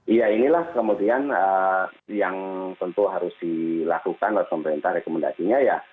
iya inilah kemudian yang tentu harus dilakukan oleh pemerintah rekomendasinya ya